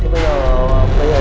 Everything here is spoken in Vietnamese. phép không được mà